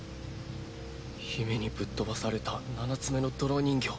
姫にぶっ飛ばされた七つ眼の泥人形。